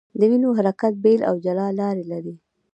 د وینو حرکت بېل او جلا لار لري.